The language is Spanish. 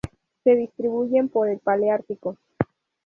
Se distribuyen por el Paleártico.